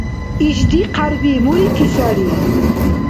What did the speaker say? Ишди хъярби мурити сари!